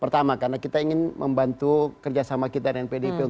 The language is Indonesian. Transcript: pertama karena kita ingin membantu kerjasama kita dan pdip